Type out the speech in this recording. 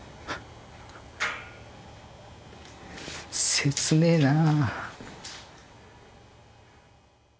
切ねえなぁ。